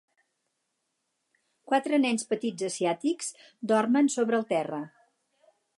Quatre nens petits asiàtics dormen sobre el terra